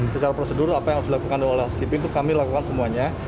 secara prosedur apa yang harus dilakukan oleh skip itu kami lakukan semuanya